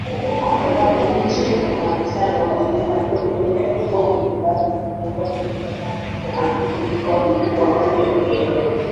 Ambapo nchi wanachama wanashindana kila mmoja kuwa mwenyeji wake, wakijiweka vizuri kupata kivutio cha uwekezaji mkubwa wa mtaji wa kigeni